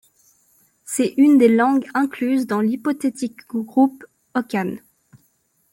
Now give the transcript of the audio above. C'est une des langues incluses dans l'hypothètique groupe hokan.